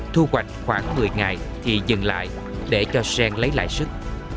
thu hoạch khoảng một mươi ngày thì dừng lại để cho sen lấy lại sức